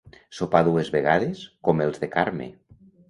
Sopar dues vegades, com els de Carme.